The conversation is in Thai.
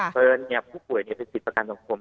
เผลอผู้ป่วยจะคิดประกันสังคม